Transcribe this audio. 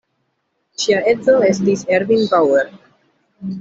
Ŝia edzo estis Ervin Bauer.